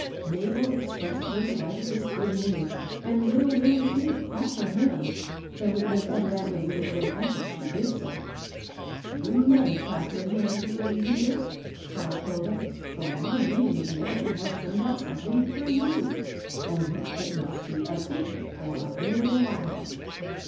Mabel expressed her delight at this good news,, and little Lilly, too, clapped her hands, though it was evidently with a great eifort she did so. " You may clap your hands, Lilly dear I " cried Hilda, " for my meeting with Mary has turned out something for you ; only it must be a secret for a little while.